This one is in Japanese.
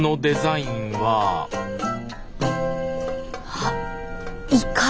あっイカ。